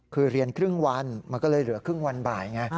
คือเรียนครึ่งวันมันก็เลยเหลือครึ่งวันบ่ายไง